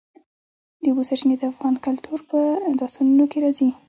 د اوبو سرچینې د افغان کلتور په داستانونو کې راځي.